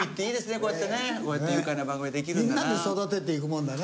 こうやってねこうやって愉快な番組ができるんだな。